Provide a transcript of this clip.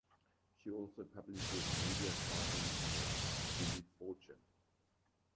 She also publishes media tie-in novels as Julie Fortune.